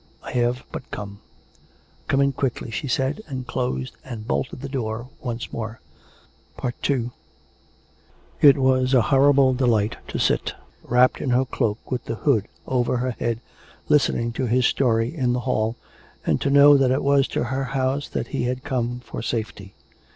... I have but come "" Come in quickly," she said, and closed and bolted the door once more. COME RACK! COME ROPE! 415 II It was a horrible dplight to sit, wrapped in her cloak with the hood over her head, listening to his story in the hall, and to know that it was to her house that he had come for safety.